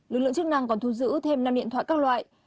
lực lượng chức năng còn thu giữ thêm năm điện thoại các loại